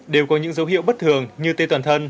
đều có những dấu hiệu bất thường như tê toàn thân